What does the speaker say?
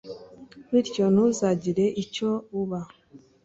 bityo ntuzagira icyo uba